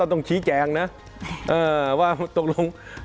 ต้องชี้แจงนะว่าตกลง